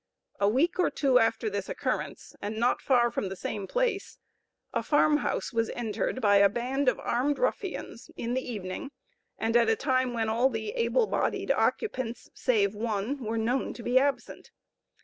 A week or two after this occurrence, and not far from the same place, a farmhouse was entered by a band of armed ruffians, in the evening, and at a time when all the able bodied occupants, save one, were known to be absent.